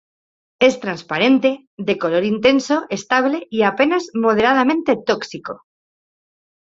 Es transparente, de color intenso, estable y apenas moderadamente tóxico.